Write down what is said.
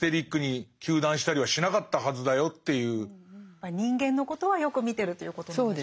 やっぱり人間のことはよく見てるということなんでしょうかね。